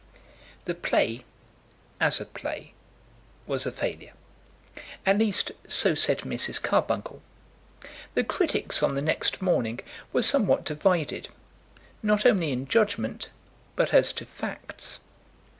The play, as a play, was a failure; at least so said Mrs. Carbuncle. The critics, on the next morning, were somewhat divided, not only in judgment, but as to facts.